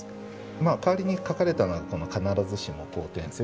まあ代わりに書かれたのはこの「必ずしも好転せず」と。